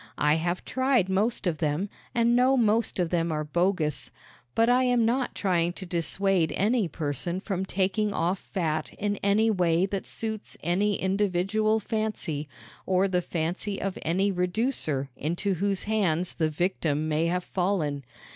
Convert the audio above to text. I have tried most of them and know most of them are bogus; but I am not trying to dissuade any person from taking off fat in any way that suits any individual fancy or the fancy of any reducer into whose hands the victim may have fallen.